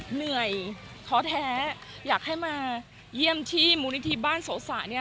เหนื่อยท้อแท้อยากให้มาเยี่ยมที่มูลนิธิบ้านโสสะเนี่ย